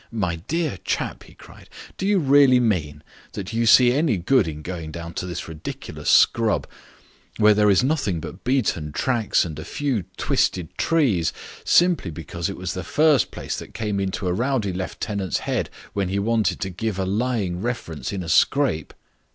"My dear chap," he cried, "do you really mean that you see any good in going down to this ridiculous scrub, where there is nothing but beaten tracks and a few twisted trees, simply because it was the first place that came into a rowdy lieutenant's head when he wanted to give a lying reference in a scrape?"